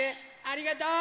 ありがとう！